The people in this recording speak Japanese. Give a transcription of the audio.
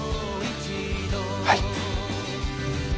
はい。